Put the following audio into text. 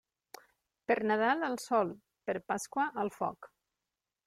Per Nadal al sol, per Pasqua al foc.